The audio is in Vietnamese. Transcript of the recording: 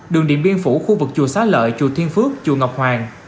đường điện biên phủ khu vực chùa xá lợi chùa thiên phước chùa ngọc hoàng